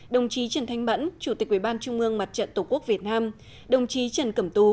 đồng chí trần thanh mẫn chủ tịch ủy ban trung ương mặt trận tổ quốc việt nam đồng chí trần cẩm tú